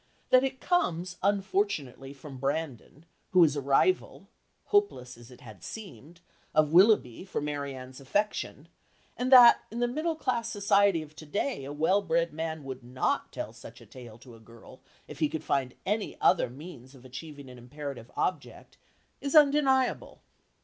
That it comes unfortunately from Brandon, who is a rival hopeless as it had seemed of Willoughby for Marianne's affection, and that in the middle class society of to day a well bred man would not tell such a tale to a girl if he could find any other means of achieving an imperative object is undeniable.